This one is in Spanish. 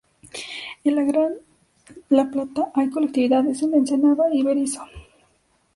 En el Gran La Plata, hay colectividades en Ensenada y Berisso.